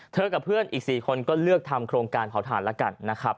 เธอกับเพื่อนอีก๔คนก็เลือกทำโครงการเผาถ่านละกัน